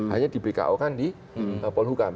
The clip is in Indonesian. hanya di bko kan di polhukam